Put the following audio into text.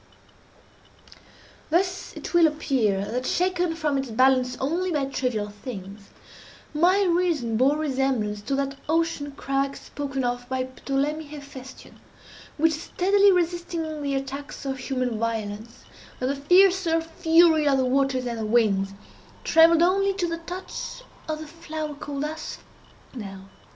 Thus it will appear that, shaken from its balance only by trivial things, my reason bore resemblance to that ocean crag spoken of by Ptolemy Hephestion, which steadily resisting the attacks of human violence, and the fiercer fury of the waters and the winds, trembled only to the touch of the flower called Asphodel.